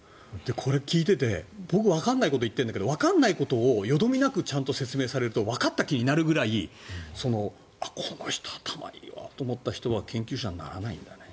これを聞いていて僕、わからないことを言っているんだけどわからないことをよどみなくちゃんと説明されるとわかった気になるぐらいこの人、頭いいなと思った人が研究者にならないんだね。